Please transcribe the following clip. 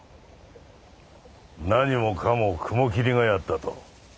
何もかも雲霧がやったと。